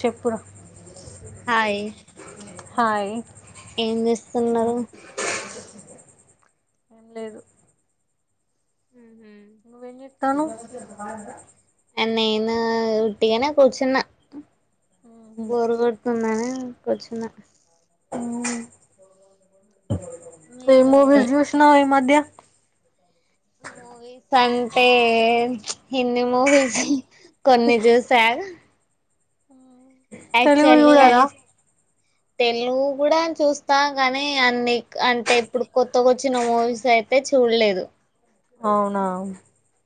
చెప్పురా hi hi ఏం చేస్తున్నావ్ ఏం లేదు. ఉహు తను నేను ఉట్టిగనే కూచున్నా. బోర్ కొడుతుందని కూర్చున్నా హ్ మీరు ఏంమూవీస్ చూసినవ్ ఈ మధ్యా మూవీస్ అంటే హిందీ మూవీస్ కొన్ని చూసా తెలుగు యాక్చువల్లీ చూడరా తెలుగు కూడా చూస్తా కాని అన్ని అంటే ఇప్పుడు కొత్తగ వచ్చిన మూవీస్ అయితే చూడలేదు. అవునా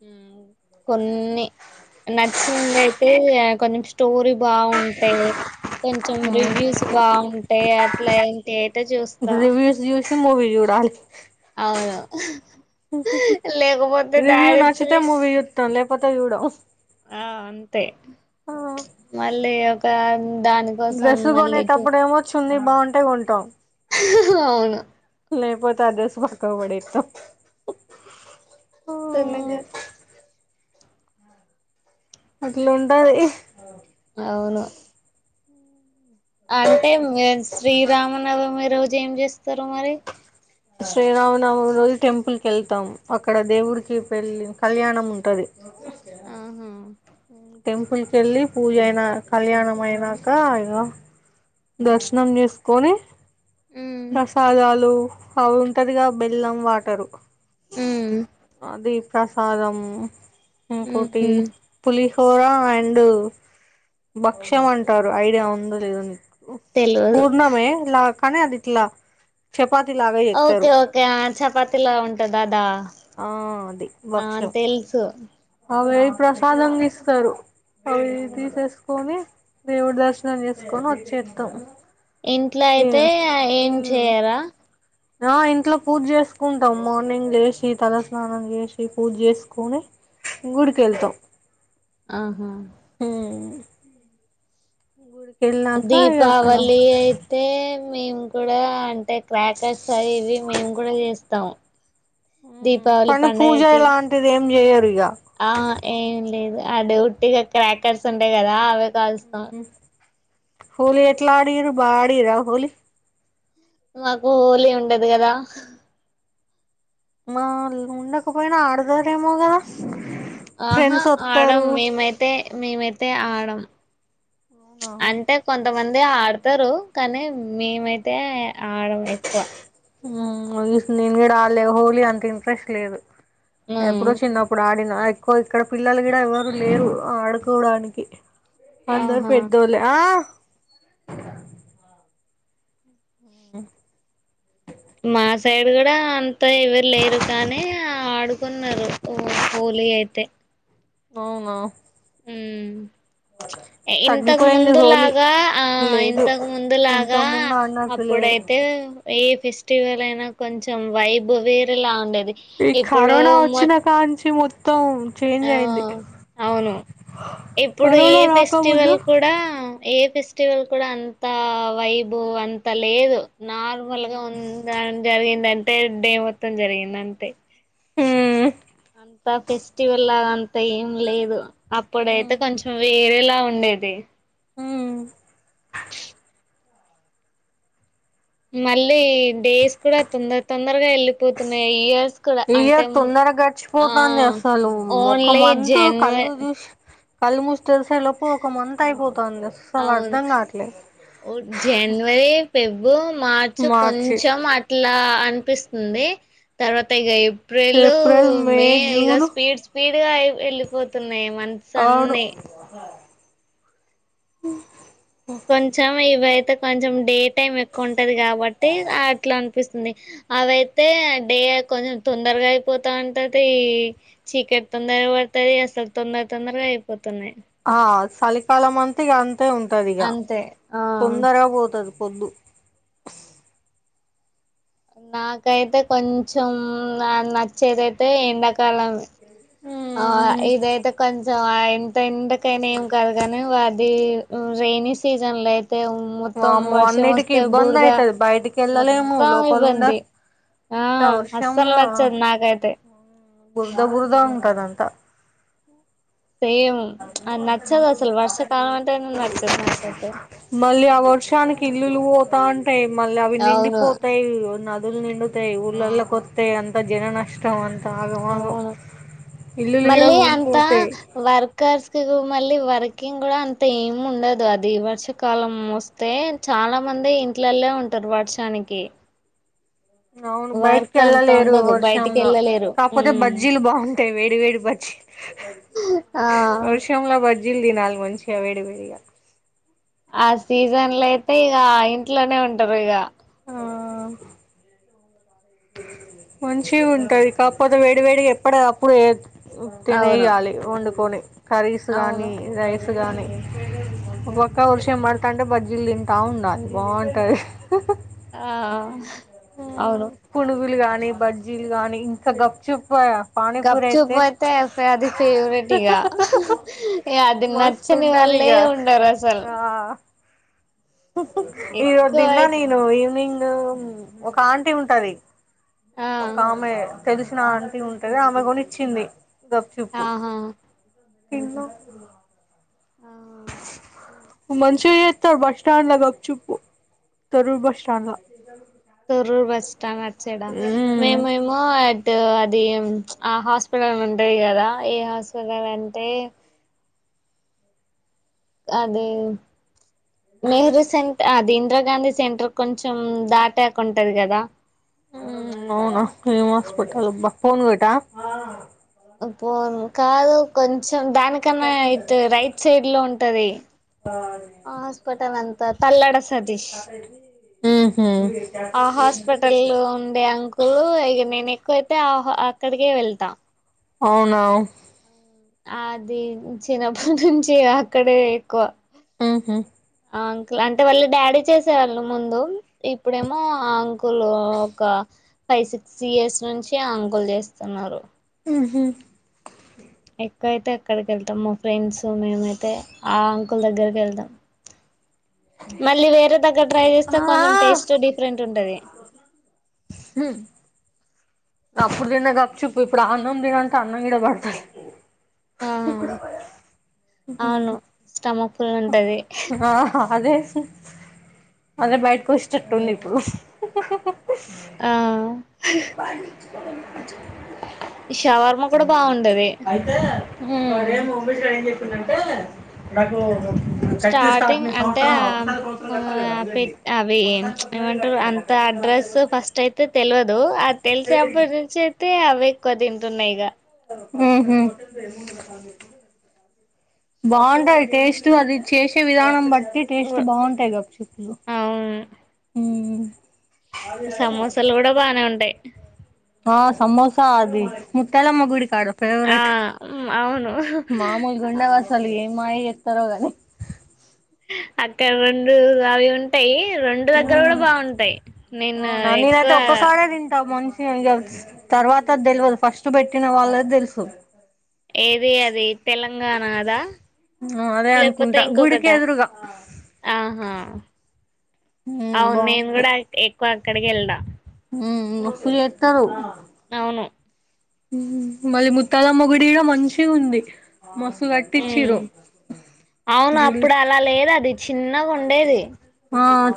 హ్ కొన్ని నచ్చింది అయితే కొంచెం స్టోరి బాగుంటే, కొంచెం రివ్యూస్ బావుంటే అట్లాంటి అయితే చూస్తా. సి మూవీ చూడాలి. అవును లేకపోతే దారితు పోతే చూడవు. ఆ అంతే మళ్ళీ ఒ తాన్ డ్రేస్సు కొనేటప్పుడేమో స్తుంది బాగుంటే కొంటాం. హహ అవును లేకపోతే ఆ డ్రేస్సు పక్కకు పడేత్తం. చిన్నగా అట్లా ఉంటది. అవును అంటే ఎ శ్రీరామనవమి రో జు ఏం చేస్తరు మరి శ్రీరామనవమి రోజు టెంపుల్ కి వెళ్తాం, అక్కడ దేవుడికి పెళ్ళి కళ్యాణం ఉంటది. ఆహా అ టెంపుల్ కి వెళ్ళి పూజ అయినా కళ్యాణం అయినాక ఇగ దర్శనం చేసుకొని ఉమ్ ప్రసాదాలు అవు ఉంటదిగ బెల్లం వాటరు ఉమ్ ప్రసాదము కోటి ఉహు పులిస్ చోర అండ్ భక్ష్యం అంటారు ఐడియా ఉందో లేదో నీకు తెల్వదు పూర్ణమే లా కాని అది ఇట్ల చపా ఓకే ఓకే ఆ చపాతిల ఉంటది అదా ఆ అది ఆ తెలుసు ప్రసాదం ఇస్తారు అవి అవునా తీసేసుకొని దేవుడి దర్శనం చేసుకొని వచ్చేద్దాం ఇంట్లో అయితే ఏం చేయరా ఆ ఇంట్లో పూజ చేసుకుంటాం మార్నింగ్ లేసి తలస్నానం చేసి పూజ చేసుకొని గుడికి వెళ్తాం ఆహా ఉమ్ అక్కడ దీపావళి అయితే మేము కూడా అంటే క్రాకర్స్ అవి ఇవి మేము కూడా చేస్తాం ఉమ్ దీపావళి కనీ పూజ పండగకి లాంటిది ఏం జేయర్ ఆ ఏం లేదు అడి ఉట్టిగా క్రాకర్స్ ఉంటాయి కదా అవి కాలుస్తాం హోలీ ఎట్లా ఆడిరు బా ఆడిరా హోలీ మాకు హోలీ ఉండదు కదా మా ఉండకపోయినా ఆడదారేమో కదా ఆహా ఫ్రెండ్స్ ఆడం వస్తారు మేమైతే మేమైతే ఆడం అవునా అంటే కొంతమం అదే ఆడతారు కానీ మేమైతే ఆడం ఎక్కువ ఉమ్ ఇస్ నేను కూడా ఆడలే హోలీ అంత ఇంట్రెస్ట్ లేదు ఉమ్ ఎప్పుడో చిన్న అప్పుడు ఆడి అ ఎక్కువ ఇక్కడ పిల్లలు కూడా ఎవరు లేరు ఆడుకోవడానికి అందూరు ఆహా పెద్దోలే ఆ ఉమ్ మా సైడ్ కూడా అం తొ ఎవరు లేరు కానీ ఆడుకున్నారు ఒ హోలీ అయితే అవునా ఉమ్ ఇంతకు తగ్గిపోయింది హోలీ ముందులాగా ఆ లేదు ఇంతకు ముందులాగా ఇంతకు ముందు ఆడినట్టు లేదు అప్పుడైతే ఏ ఫెస్టివల్ అయినా కొంచెం వైబ్ వేరేలా ఉండే ఇ కరోనా వచ్చినా కాంచి మొ ఆ అవును ఇప్పుడు ఏ కరోనా రాకముందు ఫెస్టివల్ కూడా ఏ ఫెస్టివల్ కూడా అంత వైబ్ అంత లేదు నార్ మల్ గా ఉంద జరిగింద టే డే ఏ మొత్తం జరిగింద అంతే ఉమ్ అంత ఫెస్టివల్ లాగ అంత ఏం లేదు ఉమ్ అప్పుడైతే కొంచెం వేరేలా లా ఉండేది ఉమ్ మళ్ళీ డేస్ కూడా తొందర తొందర్ వెళ్ళిపోతున్నాయి ఇయర్స్ కూడా అంటే ఇయర్ తొందర ఆ గడిచిపోతుంది అసలు ఓన్లీ జనవరి కల్ ముస్ తెలిసే లోపు ఒక మంత్ అయిపోతుంది అ అసలు అవును అర్ధం కావట్లేదు ఫెబు మార్చు మార్చి కొంచెం అట్లా ఇలా అనిపిస్తుంది తర్వాత ఇక ఏప్రిల్ మే ఇక స్పీడ్ స్పీడ్ వెళ్ళిపోతుంది అవును హ కొంచెం ఇవై కొంచం డే టైం ఎక్కువ టది కాబట్టి అట్లా అపిస్తుంది అవయితే డే కొంచెం తొందరగా అయిపోతంటది చీకటి తొందరగా పడుతుది అసలు తొందర తొందరగా అయిపోతు ఆ చలికాలం అంత తిగన్ అ ఉంటదిగా అంతే ఆ తొందరగా పోతది వద్దు నాకైతే కొంచం నచ్చేది అయితే ఎండాకాలం ఆ ఇదైతే కొంచం ఎందైంతే కాని ఏం కాదుగాని వా అది రైనీ సీజన్ల అతే మొత్తం వామ్మో వర్షం అన్నిటికి వస్తే ఇబ్బంది బూడదా అయితది బయటికి వెళ్ళలేము మొత్తం లోపల ఉండ ఇబ్బంది ఆ అంతా అస్సలు వర్షంలా నచ్చదు నాకైతే అదంతా సేమ్ నచ్చదు అసలు వర్షకాలం అంటేనే నచ్చదు నాకైతే మళ్ళీ ఆ వర్షానికి ఇల్లులు పోతాంట యి మళ్ళీ అవి అవును నిండిపోతాయి అల్ నిండుతాయి ఊర్లకి కొత్త అంత జన నష్టం అంత ఆగమాగం అవును ఇల్లులు కూడా మళ్ళీ అంతా కూలిపోతాయి వర్కర్స్కి మళ్ళీ వర్కింగ్ కూడా అంత ఏం ఉండదు అది వర్షాకాలం వస్తే చాలా మంది ఇంట్లల్లో ఉంటారు వర్షానికి అవును బయటికి వర్క్ అంత వెళ్ళలేరు ఉండదు బయటికి వర్షంలో వెళ్ళలేరు కాకపోతే ఉమ్ బజ్జీలు బాగుంటాయి వేడి వేడి బజ్జీ ఆ వర్షంలా బడి. జిల్ది నాలుగు మంచిగా వేడి వేడిగా. ఆహ్ సీజన్ లో అయితే ఇగా ఆహ్ ఇంట్లోనే ఉంటారు ఇగా. ఆహ్ మంచిగుంటది కాకపోతే వేడి వేడిగా ఎప్పుడదప్పుడు. అవును తినేయ్యాలి వండు. పోనీ. కర్రీస్ అవును గాని రైస్. బాగా వర్షం పడుతంటే బజ్జీలు తింటా ఉండాలి బాగుంటది. ఆహ్. పునుగులు కానీ. లే బజ్జీలు గనీ ఇంకా గప్చుప్. గప్చుపు అయితే అది ఫేవరెట్ ఇగ అది మస్తు నచ్చని ఉంటది వాళ్ళే ఇగ ఉండరు అసలు. ఆ ఈరోజు ఎక్కువ తిన్న అయితే నేను ఈవినింగ్. ఒక ఆంటీ ఉంటది. ఆ ఒక్కఆమె. తెలిసిన ఆంటీ ఉంటది. ఆమె కూడ ఇచ్చింది. ఆహా. తిన్ను. ఆ మంచిగా చేస్తారు బస్ స్టాడ్లా గప్ చుప్ తొర్రూరు బస్ స్టాండ్లా. తొర్రూరు బస్ స్టాండ్ అటు సైడా మేమేమో. అది ఆ హాస్పిటల్ ఉంటది కదా ఏ హాస్పిటల్ అంటే. అదే. నెహ్రూ సెంట్ అదీం. ఇందిరాగాంధీ సెంటర్ కొంచెం దాటాకుంటాది కదా. ఉమ్మ్ అవునా ఏమ్ హస్పిటల్బా ఫోన్గేటా ఆహ్ పో అను. కాదు కొం కొంచం దానికన్నా ఇటు రైట్ సైడ్ లో ఉంటది. హాస్పిటల్ అంతా తల్లడ సతీష్ ఆ హాస్పిటల్ లో ఉండే అంకులు ఇగ నేనే. ఎక్కువైతే ఆ హ అక్కడికే వెళ్తా. అవునా. అది చిన్నప్పటి నుంచి అక్కడే ఎక్కువ. ఉమ్మ్. అంకుల్ అంటే వాళ్ళ డాడీ చేసేవాళ్ళు ముందు ఇప్పుడేమో అంకుల్ ఒక ఫైవ్ సిక్స్ ఇయర్స్ నుంచి అంకుల్ చేస్తున్నారు. ఉహూ. ఎక్కువైతే అక్కడికె వెళ్తాం మా ఫ్రెండ్స్ మేమైతే ఆ అంకుల్ దగ్గరికే వెళ్తాం. మళ్ళీ వేరే దగ్గర ట్రై చేస్తే కొంచెం టేస్ట్ డిఫరెంట్ ఉంటది. ఎప్పుడు తిన్నది అప్ప్ ఆ అవును స్టమప్ తే ఉంటాది అదే అదే బయటకూడ ష్టిట్ ఉంది ఇప్పుడు ఆ [inaudible] ఇంకా ఏవన్నా మంచిగా ఉన్నయ షవర్మ కూడా బాగుండెది అదే స్టార్టింగ్ అంటే ఒకసారి సంవత్సరం కూ కట్టాలి కదా పె ఇవన్నీ అవి ఒకసారి పర్సనల్ ఏమంటారు కట్టిందట అంత కట్టిన తర్వాత అడ్రస్ ఏమంటే ఫస్ట్ అయితే తెలివదు ఆ చేయి తెలిసినప్పటి తిరిగింది. నుంచి అయితే అవి ఎక్కువ తింటున్న ఇక ఆహు బాగుంటాది టేస్ట్ అది చేసే విధానం బట్టి ట్టి టేస్ట్ బాగుంటాయి కదా్చెప్పులు వును కదా సమోసలు కూడా బానే ఉంటాయి ఆ సమోసా అది ముత్యాలమ్మ గుడి ఆడ ఆ ఫేవరెట్ అవును మామూలు గుండావాసలు ఏ మీ మామయ్య వత్తడా అక్కడ రెండు అవి ఉంటాయి రెండు దగ్గర కూడా మ్మ్. బాగుంటాయి నేను అవునా ఎక్కువ నేనైతే ఒక్క కాడే తింటా మనిషి తర్వాత తెలవద్ ఫస్ట్ పెట్టిన వాళ్ళది తెలుసు ఏది అది తెలంగాణదా అదే లేకపోతే అనుకుంటా ఇంకొకట గుడికి ఎదురుగా ఆహా ఉమ్ అవును నేను కూడా ఎక్కువ కడిగిఎళ్దా మ్మ్ ఫులి ఎడతారు అవును మళ్ళీ ముత్తాలమ్మ గుడి లో మంచిగా ఉంది మస్తు కట్టిచ్చిరు అవును గుడి అప్పుడు అలా లేదు అది చిన్నగా ఉండేది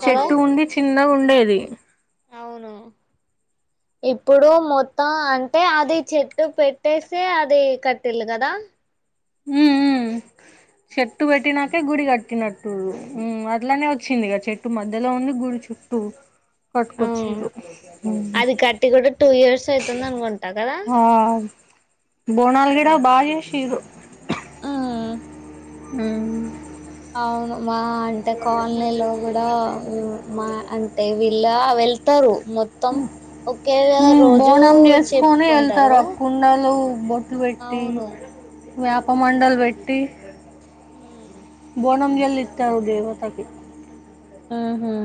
కదా చెట్టు ఉండి ఆ చిన్నగా ఉండేది అవున ఇప్పుడు మొత్తం అంటే అది చెట్టు పెట్టేసి అది కట్టిళ్ళ కదా ఆ ఆ చెట్టు పెట్టినాకే గుడిగాట్టినట్టు అట్లనే వచ్చింది చెట్టు మధ్య మద్యలో ఉంది గుడి చుట్టూ కట్కొచ్చు ఉమ్ మంత్స్ అవుతుంది అనుకుంటా కదా బోనాల్ గిడ బాగ్ జేషీర్రు ఉమ్ ఉ అవును మా అంటే కాలనీలో కూడా మా అంటే వీళ్ళ వెళ్ తారు బోనం చేసుకొని వెళ్తారు చెప్పుకుంటారు ఆ కుండలు బొట్లు పెట్టి అవును వేపమండలు వెట్టి ఉ ఓణం జెళ్ళి ఇత్తారు దేవతకి ఆహా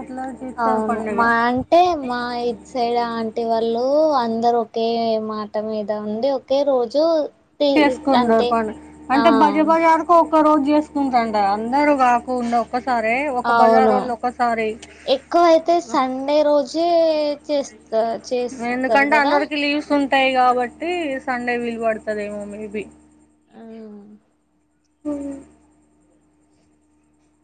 అట్లా చేస్తారు అవును పండుగ మా అంటే మా ఇట్ సైడ్ ఆంటీ వాళ్ళు అ అందరు ఒకే మాట మీద ఉండి ఒకే రోజు తీ చేసుకుంటారు అంటే పండగ ఆ అంటే బజ బజారుకు ఓ రోజు చేసుకుంటాడ అందరూ కాకుండ అవును ఎక్కువ అయితే సండే రోజే చేస్ ఎందుకంటే అందరికి లీవ్స్ ఉం టాయి కాబట్టి సండే వీలు పడుతదేమో మేబి ఆ హమ్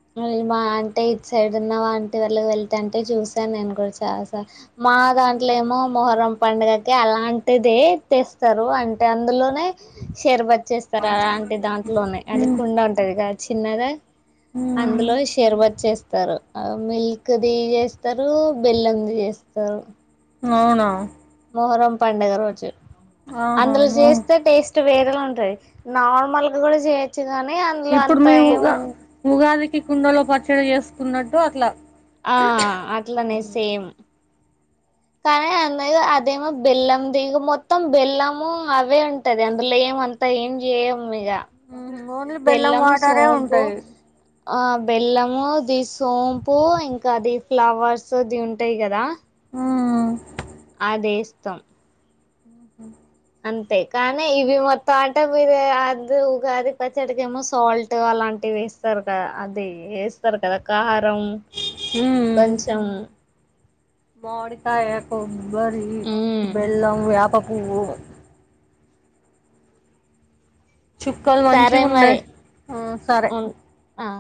[unintelligible] మా అంటే ఇటు సైడ్ ఉన్న ఆంటి వాళ్ళు వెళ్త అంటే చూసాను నేను కూడా చాలా సార్లు మా దాంట్లో ఏమో మొహరం పండుగకి అలాంటిదే తెస్తారు అంటే అందులోనే షరవత్ చేస్తారు అలాంటి దాంట్లోనే అది ఉమ్ కుండ ఉంటదిగా చిన్నాద అందులో షేర్వత్ చేస్ స్తారు మిల్క్ ది చేస్తారు బెల్లంది చేస్తారు అవునా మోహరం పండగ రోజు ఆహా అందులో మో చేస్తే టేస్ట్ వేరెల ఉంటది నార్మల్ గా కూడ చేయొచ్చు చ్చుగానే అందులో అంత ఏం వుం ఒట్టి కుండలో పచ్చడి చేసుకున్నట్టు అట్లా ఆ అట్లనే సేమ్ కానీ [unintelligible] అదేమో బెల్లందిగ మొత్తం బెల్లము అవే ఉంటది అందులో ఏమంతా ఏం జేయము ఇగ ఓన్లీ బెల్లం వాటారే ఉంటాయి ఆ బెల్లము ది సోంపు ఇంకా అది ఫ్లవర్స్ ది ఉంటాయి కదా మ్మ్ అది ఏస్తం [unintelligible] అంతే కానీ ఇవి మొత్తం అంటే మీరు అది ఉగాది పచ్చడికి ఏమో సాల్ట్ అలాంటివి వేస్తారు కద అది వేస్తారు కదా కార రం కొంచెం మామిడికాయ కొమ్ బరీ ఉమ్ బెళ్ళం వ్యాప పువ్వు చుక్కలు సరే మంచిగున్నాయి మరి ఉన్ ఆ